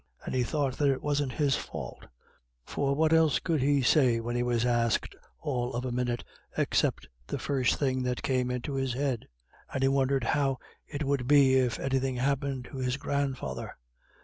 And he thought that it wasn't his fault, for what else could he say when he was asked all of a minute, except the first thing that came into his head? And he wondered how it would be if anything happened to his grandfather.